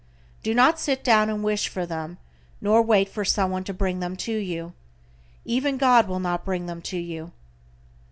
Do not sit down and wish for them, nor wait for someone to bring them to you, even God will not bring them to you.